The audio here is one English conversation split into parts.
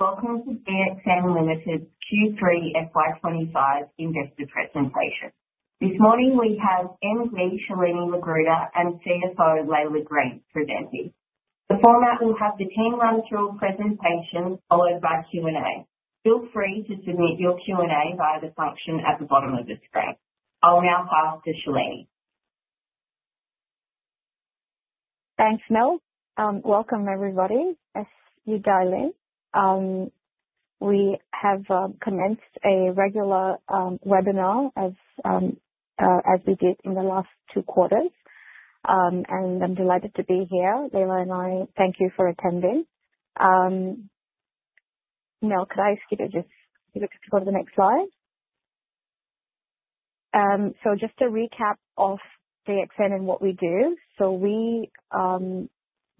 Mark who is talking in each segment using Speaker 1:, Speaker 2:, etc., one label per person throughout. Speaker 1: Welcome to DXN Limited's Q3 FY25 Investor Presentation. This morning we have MD Shalini Lagrutta and CFO Laila Green presenting. The format will have the team run through presentations followed by Q&A. Feel free to submit your Q&A via the function at the bottom of the screen. I'll now pass to Shalini.
Speaker 2: Thanks, Mel. Welcome, everybody. As you dial in, we have commenced a regular webinar as we did in the last two quarters, and I'm delighted to be here. Laila and I thank you for attending. Mel, could I ask you to just go to the next slide, so just to recap of DXN and what we do, so we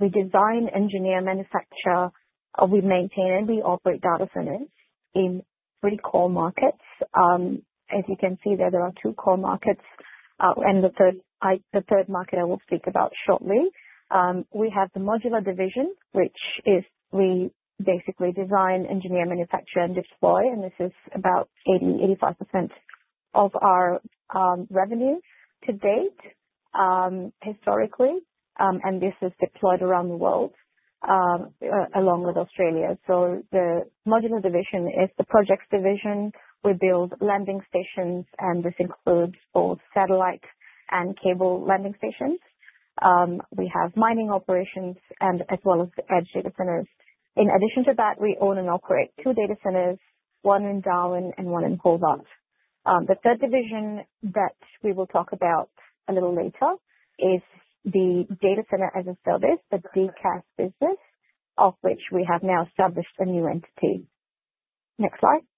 Speaker 2: design, engineer, manufacture, we maintain, and we operate data centers in three core markets. As you can see there, there are two core markets, and the third market I will speak about shortly. We have the modular division, which is we basically design, engineer, manufacture, and deploy, and this is about 80%-85% of our revenue to date historically, and this is deployed around the world along with Australia, so the modular division is the projects division. We build landing stations, and this includes both satellite and cable landing stations. We have mining operations as well as edge data centers. In addition to that, we own and operate two data centers, one in Darwin and one in Hobart. The third division that we will talk about a little later is the data center as a service, the DCaaS business, of which we have now established a new entity. Next slide.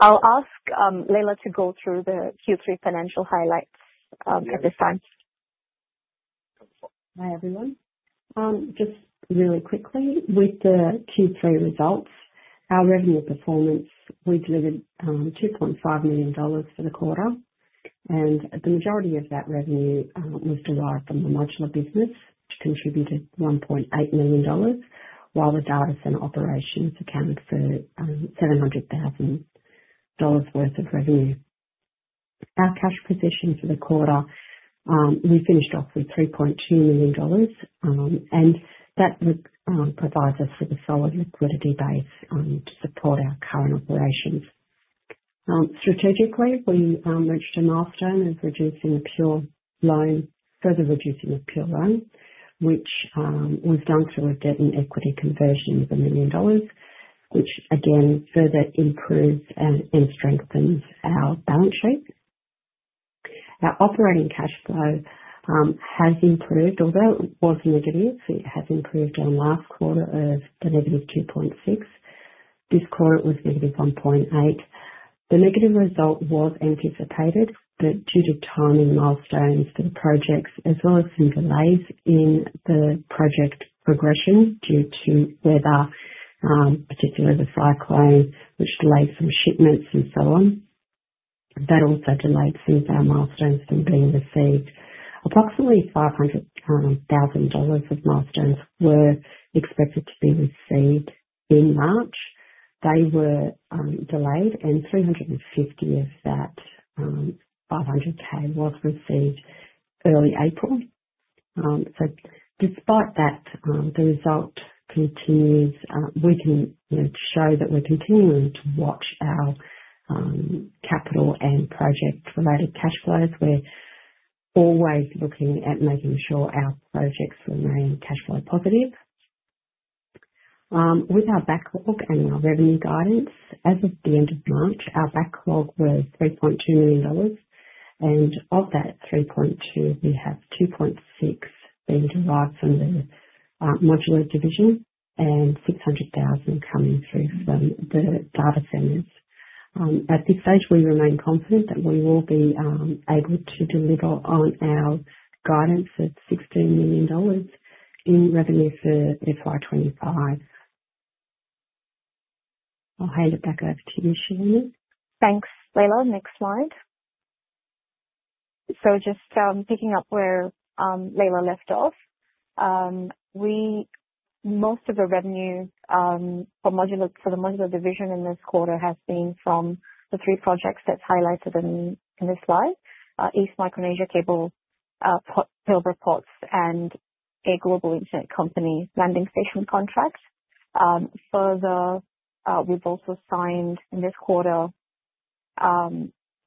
Speaker 2: I'll ask Laila to go through the Q3 financial highlights at this time.
Speaker 3: Hi, everyone. Just really quickly, with the Q3 results, our revenue performance, we delivered 2.5 million dollars for the quarter, and the majority of that revenue was derived from the modular business, which contributed 1.8 million dollars, while the data center operations accounted for 700,000 dollars worth of revenue. Our cash position for the quarter, we finished off with 3.2 million dollars, and that provides us with a solid liquidity base to support our current operations. Strategically, we reached a milestone of reducing the perpetual loan, further reducing the perpetual loan, which was done through a debt and equity conversion of 1 million dollars, which again further improves and strengthens our balance sheet. Our operating cash flow has improved, although it was negative. It has improved in the last quarter of the negative 2.6. This quarter, it was negative 1.8. The negative result was anticipated, but due to timing milestones for the projects, as well as some delays in the project progression due to weather, particularly the cyclone, which delayed some shipments and so on, that also delayed some of our milestones from being received. Approximately 500,000 dollars of milestones were expected to be received in March. They were delayed, and 350,000 of that 500,000 was received early April. So despite that, the result continues. We can show that we're continuing to watch our capital and project-related cash flows. We're always looking at making sure our projects remain cash flow positive. With our backlog and our revenue guidance, as of the end of March, our backlog was 3.2 million dollars, and of that 3.2 million, we have 2.6 million being derived from the modular division and 600,000 coming through from the data centers. At this stage, we remain confident that we will be able to deliver on our guidance of 16 million dollars in revenue for FY25. I'll hand it back over to you, Shalini.
Speaker 2: Thanks, Laila. Next slide. So just picking up where Laila left off, most of the revenue for the modular division in this quarter has been from the three projects that's highlighted in this slide: East Micronesia Cable, Pilbara Ports, and a global internet company landing station contract. Further, we've also signed in this quarter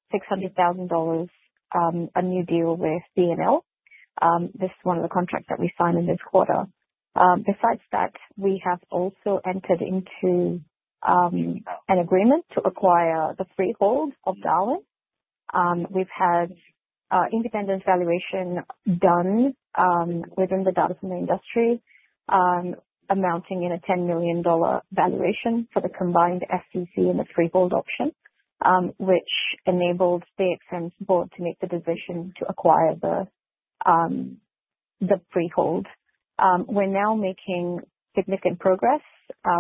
Speaker 2: 600,000 dollars a new deal with BNL. This is one of the contracts that we signed in this quarter. Besides that, we have also entered into an agreement to acquire the freehold of Darwin. We've had independent valuation done within the data center industry, amounting in a 10 million dollar valuation for the combined FCC and the freehold option, which enabled DXN's board to make the decision to acquire the freehold. We're now making significant progress.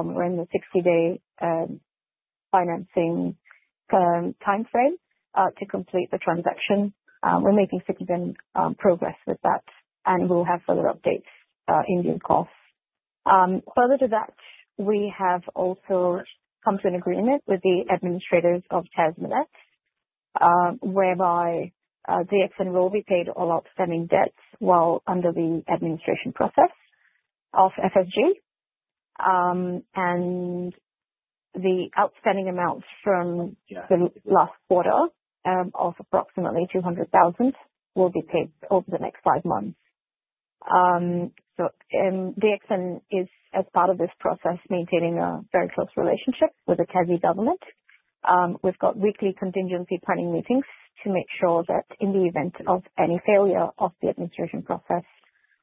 Speaker 2: We're in the 60-day financing timeframe to complete the transaction. We're making significant progress with that, and we'll have further updates in due course. Further to that, we have also come to an agreement with the administrators of TASMET, whereby DXN will be paid all outstanding debts while under the administration process of FSG, and the outstanding amounts from the last quarter of approximately 200,000 will be paid over the next five months. So DXN is, as part of this process, maintaining a very close relationship with the Tasi government. We've got weekly contingency planning meetings to make sure that in the event of any failure of the administration process,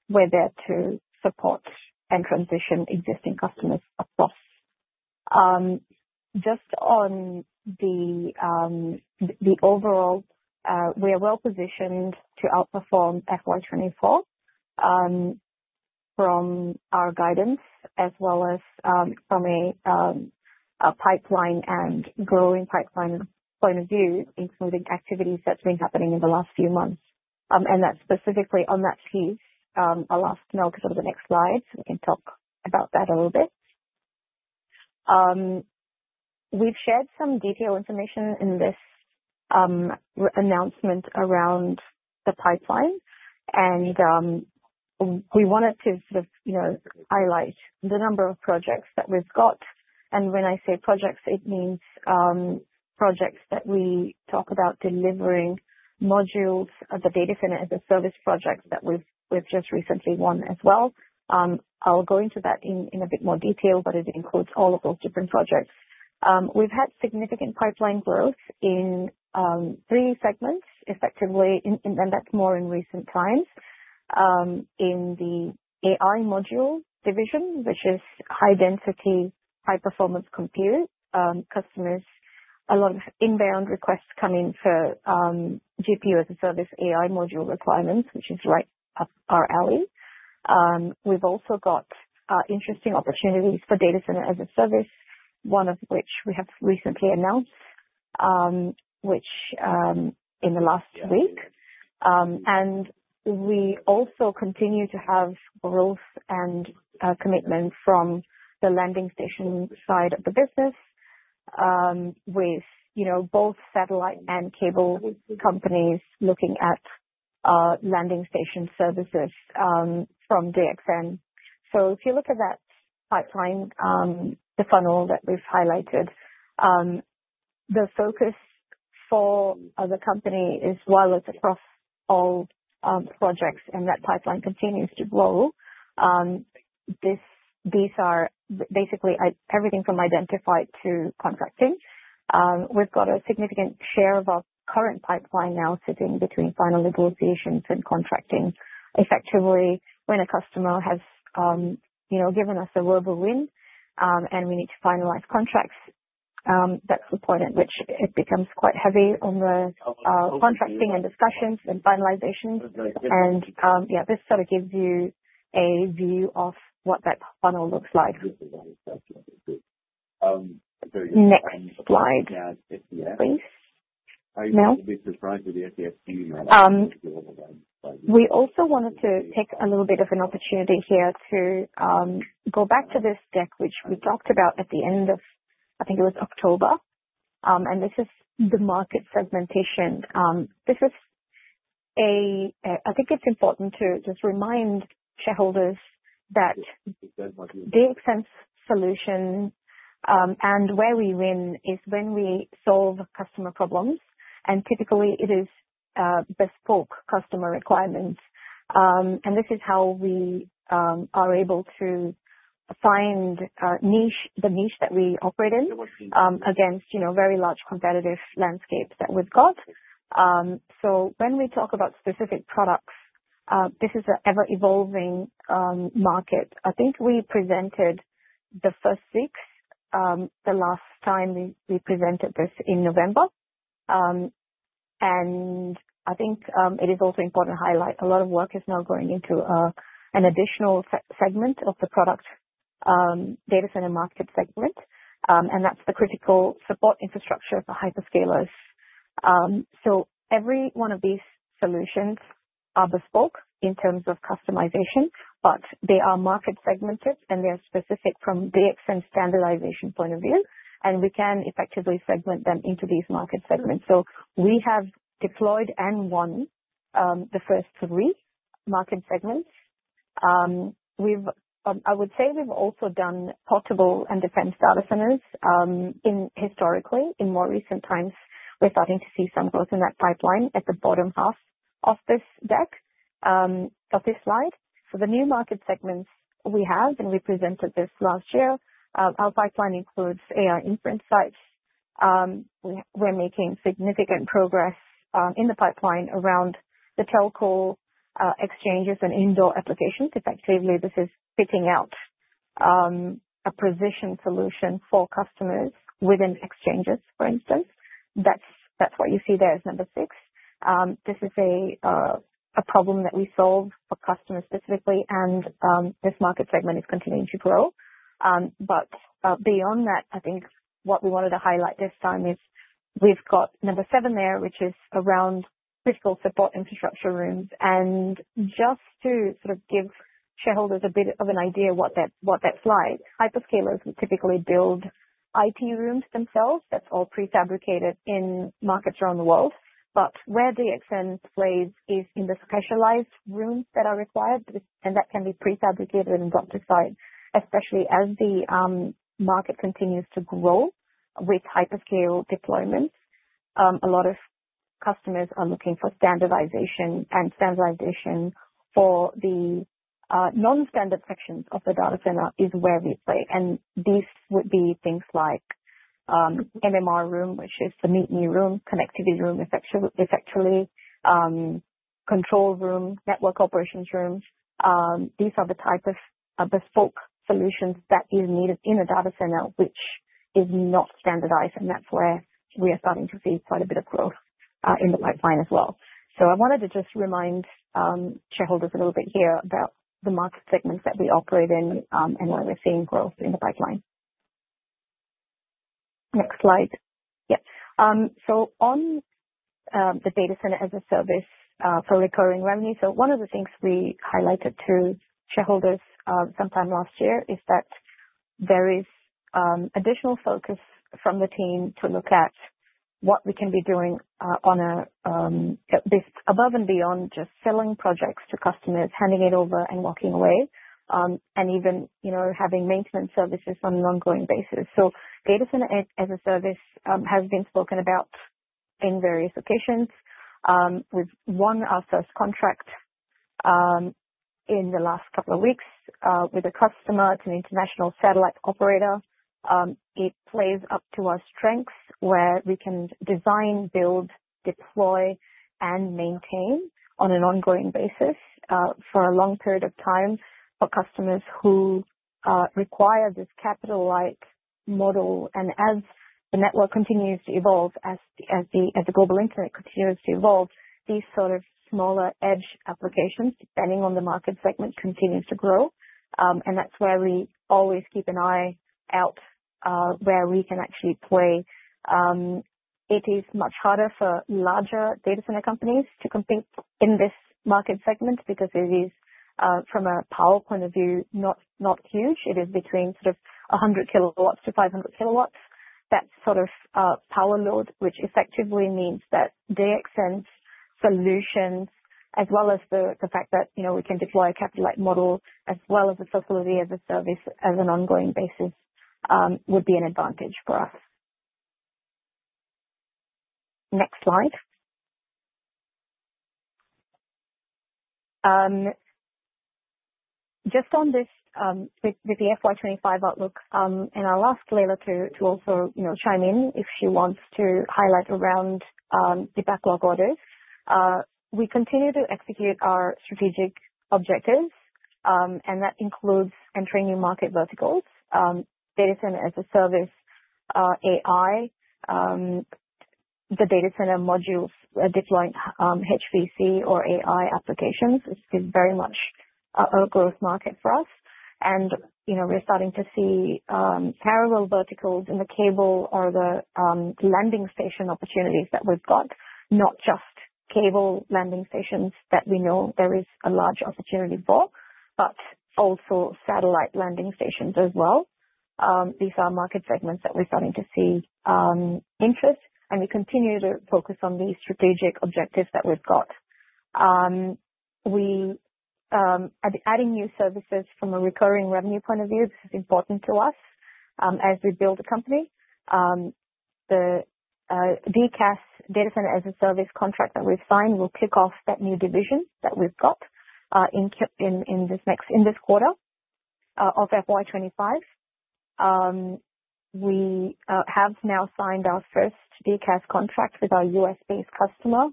Speaker 2: we're there to support and transition existing customers across. Just on the overall, we are well positioned to outperform FY24 from our guidance, as well as from a pipeline and growing pipeline point of view, including activities that's been happening in the last few months. That's specifically on that piece. I'll ask Mel to go to the next slide so we can talk about that a little bit. We've shared some detailed information in this announcement around the pipeline, and we wanted to sort of highlight the number of projects that we've got. When I say projects, it means projects that we talk about delivering modules of the data center as a service project that we've just recently won as well. I'll go into that in a bit more detail, but it includes all of those different projects. We've had significant pipeline growth in three segments, effectively, and that's more in recent times in the AI module division, which is high-density, high-performance compute. Customers, a lot of inbound requests come in for GPU as a service AI module requirements, which is right up our alley. We've also got interesting opportunities for data center as a service, one of which we have recently announced, which in the last week, and we also continue to have growth and commitment from the landing station side of the business with both satellite and cable companies looking at landing station services from DXN, so if you look at that pipeline, the funnel that we've highlighted, the focus for the company is, while it's across all projects and that pipeline continues to grow, these are basically everything from identified to contracting. We've got a significant share of our current pipeline now sitting between final negotiations and contracting. Effectively, when a customer has given us a verbal win and we need to finalize contracts, that's the point at which it becomes quite heavy on the contracting and discussions and finalizations. Yeah, this sort of gives you a view of what that funnel looks like. Next slide. Please. Mel? We also wanted to take a little bit of an opportunity here to go back to this deck, which we talked about at the end of, I think it was October, and this is the market segmentation. I think it's important to just remind shareholders that DXN's solution and where we win is when we solve customer problems, and typically it is bespoke customer requirements, and this is how we are able to find the niche that we operate in against very large competitive landscapes that we've got, so when we talk about specific products, this is an ever-evolving market. I think we presented the first six the last time we presented this in November, and I think it is also important to highlight a lot of work is now going into an additional segment of the product data center market segment, and that's the critical support infrastructure for hyperscalers. So every one of these solutions are bespoke in terms of customization, but they are market segmented and they are specific from DXN's standardization point of view, and we can effectively segment them into these market segments. So we have deployed and won the first three market segments. I would say we've also done portable and defense data centers historically. In more recent times, we're starting to see some growth in that pipeline at the bottom half of this deck, of this slide. For the new market segments, we have, and we presented this last year, our pipeline includes AI imprint sites. We're making significant progress in the pipeline around the telco exchanges and indoor applications. Effectively, this is picking out a position solution for customers within exchanges, for instance. That's what you see there as number six. This is a problem that we solve for customers specifically, and this market segment is continuing to grow. But beyond that, I think what we wanted to highlight this time is we've got number seven there, which is around critical support infrastructure rooms. And just to sort of give shareholders a bit of an idea of what that's like, hyperscalers will typically build IT rooms themselves. That's all prefabricated in markets around the world. But where DXN plays is in the specialized rooms that are required, and that can be prefabricated and docked aside. Especially as the market continues to grow with hyperscale deployments, a lot of customers are looking for standardization, and standardization for the non-standard sections of the data center is where we play. And these would be things like MMR room, which is the meet-me room, connectivity room, effectively, control room, network operations rooms. These are the type of bespoke solutions that are needed in a data center, which is not standardized, and that's where we are starting to see quite a bit of growth in the pipeline as well. So I wanted to just remind shareholders a little bit here about the market segments that we operate in and where we're seeing growth in the pipeline. Next slide. Yeah. So on the Data Center as a Service for recurring revenue, so one of the things we highlighted to shareholders sometime last year is that there is additional focus from the team to look at what we can be doing above and beyond just selling projects to customers, handing it over and walking away, and even having maintenance services on an ongoing basis. So Data Center as a Service has been spoken about in various locations. We've won our first contract in the last couple of weeks with a customer. It's an international satellite operator. It plays up to our strengths where we can design, build, deploy, and maintain on an ongoing basis for a long period of time for customers who require this capital-like model. And as the network continues to evolve, as the global internet continues to evolve, these sort of smaller edge applications, depending on the market segment, continue to grow. And that's where we always keep an eye out where we can actually play. It is much harder for larger data center companies to compete in this market segment because it is, from a power point-of-view, not huge. It is between sort of 100-500 kilowatts. That sort of power load, which effectively means that DXN's solutions, as well as the fact that we can deploy a capital-like model as well as a facility as a service on an ongoing basis, would be an advantage for us. Next slide. Just on this with the FY25 outlook, and I'll ask Laila to also chime in if she wants to highlight around the backlog orders. We continue to execute our strategic objectives, and that includes entering new market verticals. Data center as a service AI, the data center modules deploying HPC or AI applications is very much a growth market for us, and we're starting to see parallel verticals in the cable or the landing station opportunities that we've got, not just cable landing stations that we know there is a large opportunity for, but also satellite landing stations as well. These are market segments that we're starting to see interest, and we continue to focus on these strategic objectives that we've got. We are adding new services from a recurring revenue point of view. This is important to us as we build a company. The DCaaS data center as a service contract that we've signed will kick off that new division that we've got in this quarter of FY25. We have now signed our first DCaaS contract with our U.S.-based customer,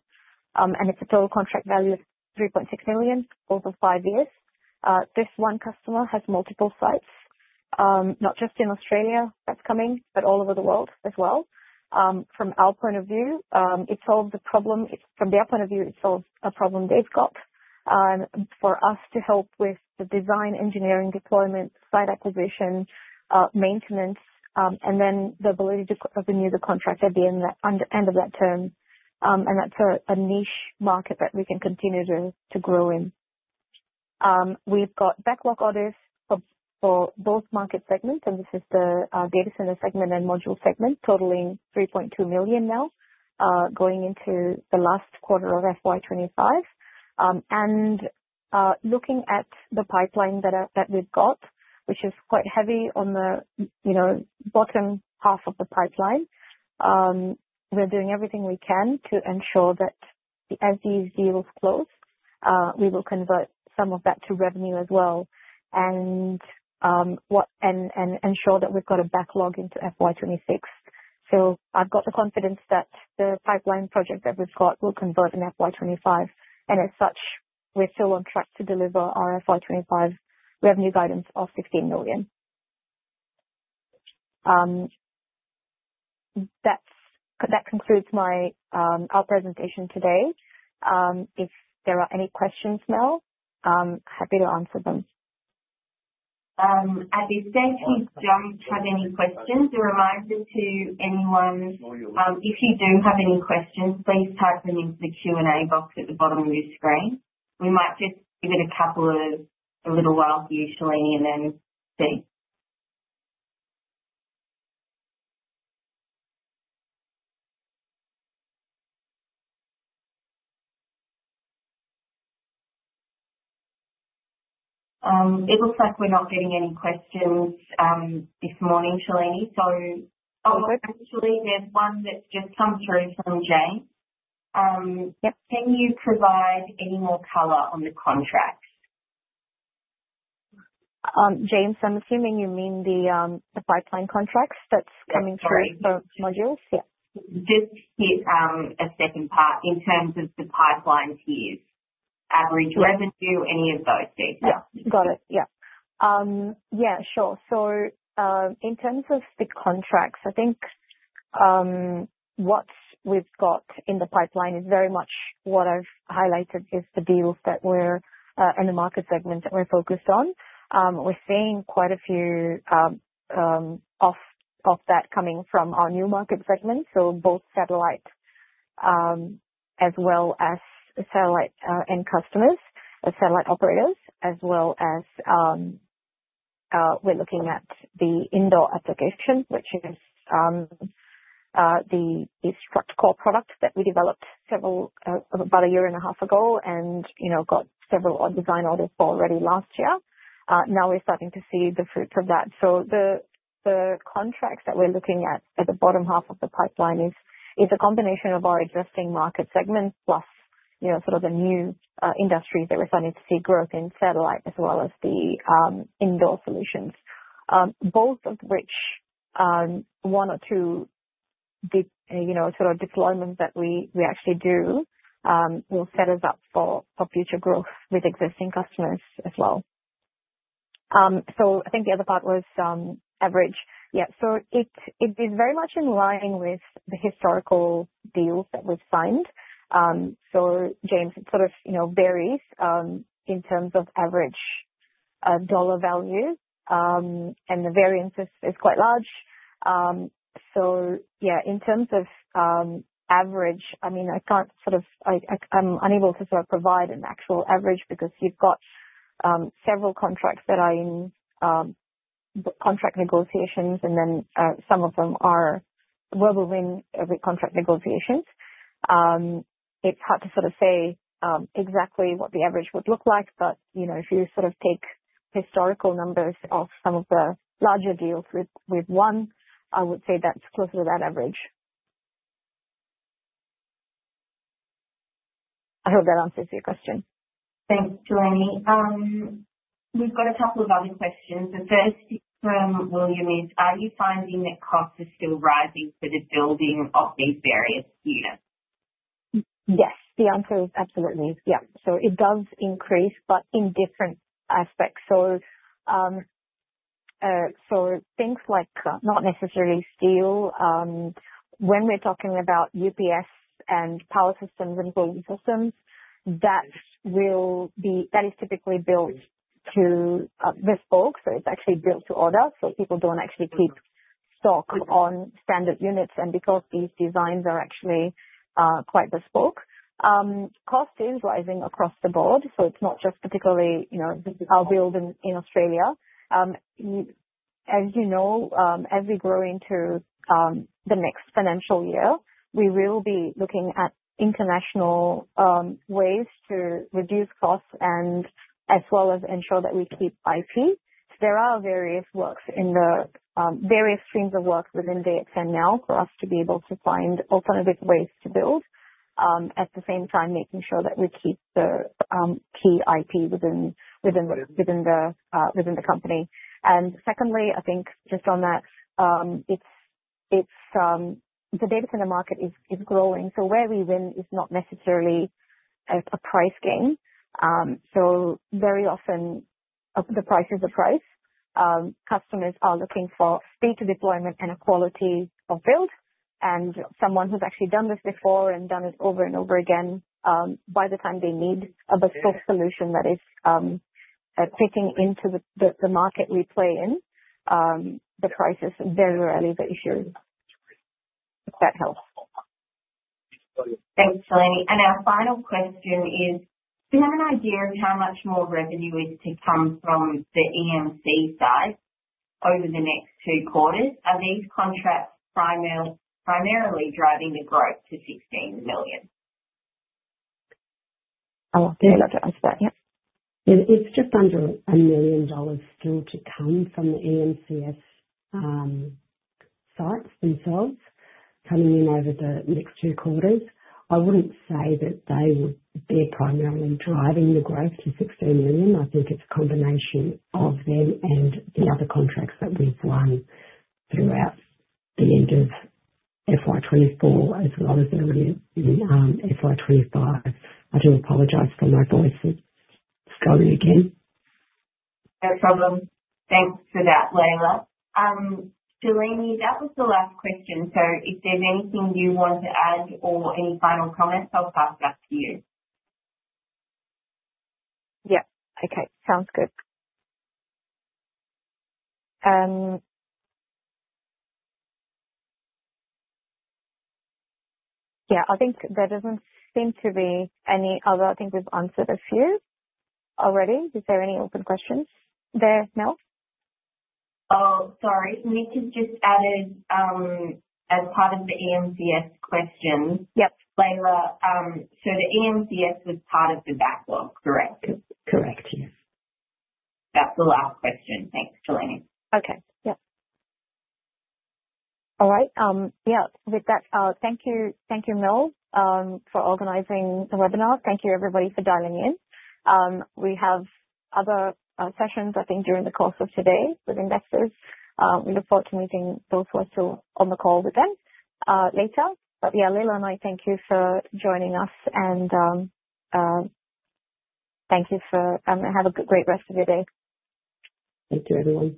Speaker 2: and it's a total contract value of 3.6 million over five years. This one customer has multiple sites, not just in Australia that's coming, but all over the world as well. From our point of view, it solves a problem. From their point of view, it solves a problem they've got for us to help with the design, engineering, deployment, site acquisition, maintenance, and then the ability to renew the contract at the end of that term. That's a niche market that we can continue to grow in. We've got backlog orders for both market segments, and this is the data center segment and module segment, totaling 3.2 million now, going into the last quarter of FY25. Looking at the pipeline that we've got, which is quite heavy on the bottom half of the pipeline, we're doing everything we can to ensure that as these deals close, we will convert some of that to revenue as well and ensure that we've got a backlog into FY26. So I've got the confidence that the pipeline project that we've got will convert in FY25. And as such, we're still on track to deliver our FY25 revenue guidance of 16 million. That concludes our presentation today. If there are any questions, Mel, I'm happy to answer them.
Speaker 1: At this stage, we don't have any questions. A reminder to anyone, if you do have any questions, please type them into the Q&A box at the bottom of your screen. We might just give it a couple of a little while usually and then see. It looks like we're not getting any questions this morning, Shalini. So actually, there's one that's just come through from Jane. Can you provide any more color on the contracts?
Speaker 2: Jane, I'm assuming you mean the pipeline contracts that's coming through for modules?
Speaker 1: Just hit a second part in terms of the pipeline tiers. Average revenue, any of those details.
Speaker 2: Yeah. Got it. Yeah. Yeah, sure. So in terms of the contracts, I think what we've got in the pipeline is very much what I've highlighted is the deals that we're in the market segment that we're focused on. We're seeing quite a few of that coming from our new market segment, so both satellite as well as satellite end customers, satellite operators, as well as we're looking at the indoor application, which is the StructCore product that we developed about a year and a half ago and got several design orders for already last year. Now we're starting to see the fruits of that. So the contracts that we're looking at at the bottom half of the pipeline is a combination of our existing market segment plus sort of the new industries that we're starting to see growth in satellite as well as the indoor solutions, both of which one or two sort of deployments that we actually do will set us up for future growth with existing customers as well. So I think the other part was average. Yeah. So it is very much in line with the historical deals that we've signed. So James, it sort of varies in terms of average dollar value, and the variance is quite large. So yeah, in terms of average, I mean, I can't sort of I'm unable to sort of provide an actual average because you've got several contracts that are in contract negotiations, and then some of them are verbally in every contract negotiations. It's hard to sort of say exactly what the average would look like, but if you sort of take historical numbers of some of the larger deals with one, I would say that's closer to that average. I hope that answers your question.
Speaker 1: Thanks, Shalini. We've got a couple of other questions. The first from William is, are you finding that costs are still rising for the building of these various units?
Speaker 2: Yes. The answer is absolutely. Yeah. So it does increase, but in different aspects. So things like not necessarily steel. When we're talking about UPS and power systems and cooling systems, that is typically built to bespoke. So it's actually built to order. So people don't actually keep stock on standard units. And because these designs are actually quite bespoke, cost is rising across the board. So it's not just particularly our building in Australia. As you know, as we grow into the next financial year, we will be looking at international ways to reduce costs as well as ensure that we keep IP. There are various streams of work within DXN now for us to be able to find alternative ways to build, at the same time making sure that we keep the key IP within the company. And secondly, I think just on that, the data center market is growing. So where we win is not necessarily a price gain. So very often, the price is the price. Customers are looking for speed to deployment and a quality of build. And someone who's actually done this before and done it over and over again, by the time they need a bespoke solution that is fitting into the market we play in, the price is very rarely the issue. If that helps.
Speaker 1: Thanks, Shalini. And our final question is, do you have an idea of how much more revenue is to come from the EMC side over the next two quarters? Are these contracts primarily driving the growth to 16 million?
Speaker 3: I'll be glad to answer that. Yeah. It's just under 1 million dollars still to come from the EMCS sites themselves, coming in over the next two quarters. I wouldn't say that they're primarily driving the growth to 16 million. I think it's a combination of them and the other contracts that we've won throughout the end of FY24 as well as earlier in FY25. I do apologize for my voice struggling again.
Speaker 1: No problem. Thanks for that, Laila. Shalini, that was the last question. So if there's anything you want to add or any final comments, I'll pass it up to you.
Speaker 2: Yeah. Okay. Sounds good. Yeah. I think there doesn't seem to be any other. I think we've answered a few already. Is there any open questions there, Mel?
Speaker 1: Oh, sorry. Nick has just added as part of the EMCS questions. Laila, so the EMCS was part of the backlog, correct?
Speaker 3: Correct. Yes.
Speaker 1: That's the last question. Thanks, Shalini.
Speaker 2: With that, thank you, Mel, for organizing the webinar. Thank you, everybody, for dialing in. We have other sessions, I think, during the course of today with investors. We look forward to meeting those who are still on the call with them later, but yeah, Laila and I thank you for joining us, and thank you, have a great rest of your day.
Speaker 3: Thank you, everyone.